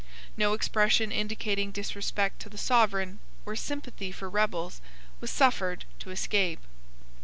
No expression indicating disrespect to the Sovereign or sympathy for rebels was suffered to escape.